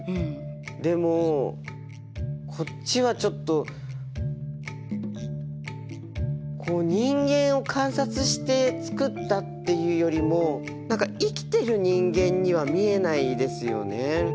でもこっちはちょっと人間を観察して作ったっていうよりも何か生きてる人間には見えないですよね。